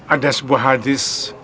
ada sebuah hadis